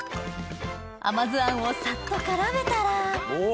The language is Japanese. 甘酢あんをサッと絡めたらお！